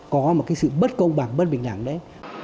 có một cái sự bất công bằng bất bình đẳng đấy